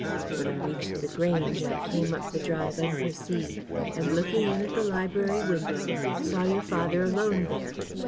When I reached The Grange, I came up the drive unperceived, and looking in at the library window, saw your father alone there.